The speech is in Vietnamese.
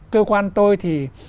cơ quan tôi thì